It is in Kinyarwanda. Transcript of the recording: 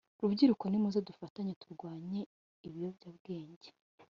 Rubyiruko nimuze dufatanye turwanye ibiyobya bwenge